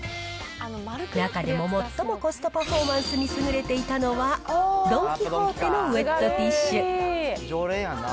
中でも最もコストパフォーマンスに優れていたのは、ドン・キホーテのウエットティッシュ。